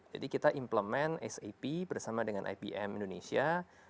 jadi kita implement sap bersama dengan ipm indonesia